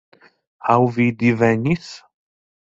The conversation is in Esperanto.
Aŭ vi divenis?